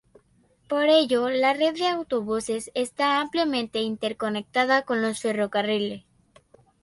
Por ello la red de autobuses está ampliamente interconectada con los ferrocarriles.